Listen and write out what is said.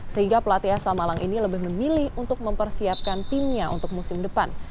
sehingga pelatih asal malang ini lebih memilih untuk mempersiapkan timnya untuk musim depan